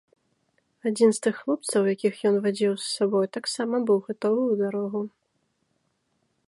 Адзін з тых хлопцаў, якіх ён вадзіў з сабой, таксама быў гатовы ў дарогу.